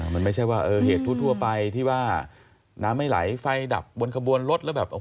มันไม่ใช่ว่าเหตุทั่วไปที่ว่าน้ำไม่ไหลไฟดับบนขบวนรถแล้วแบบ